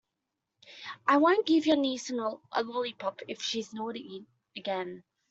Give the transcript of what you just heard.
I won't give your niece a lollipop if she gets naughty again.